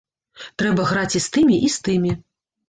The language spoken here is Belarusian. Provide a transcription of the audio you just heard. Трэба граць і з тымі, і з тымі.